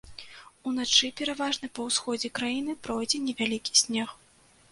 Уначы пераважна па ўсходзе краіны пройдзе невялікі снег.